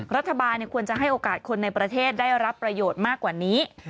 รัฐบาลควรจะให้โอกาสคนในประเทศได้รับประโยชน์มากกว่านี้